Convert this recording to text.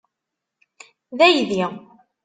D aydi.